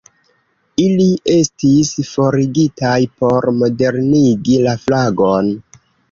Ili estis forigitaj por modernigi la flagon.